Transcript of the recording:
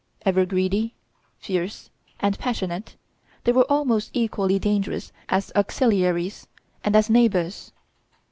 Ever greedy, fierce, and passionate, they were almost equally dangerous as auxiliaries and as neighbors.